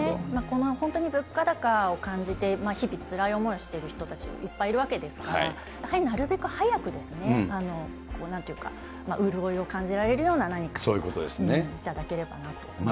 本当に物価高を感じて日々、つらい思いをしている人たちはいっぱいいるわけですから、やはりなるべく早くですね、なんていうか潤いを感じられるような何か頂ければなと思います。